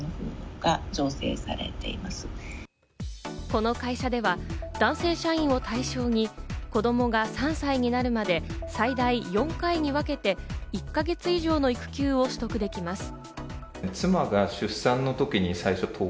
この会社では男性社員を対象に子供が３歳になるまで最大４回に分けて、１か月以上の育休を取得できます。